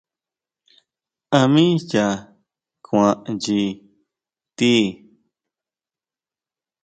¿A mí yaa kuan nyi ti?